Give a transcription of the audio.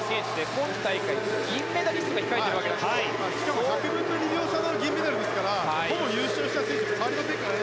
今大会、銀メダリストがしかも１００分の２秒差での銀メダルですからほぼ優勝した選手と変わらないですからね。